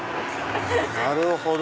なるほど！